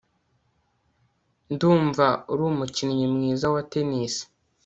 ndumva uri umukinnyi mwiza wa tennis